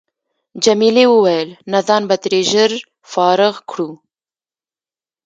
جميلې وويل: نه ځان به ترې ډېر ژر فارغ کړو.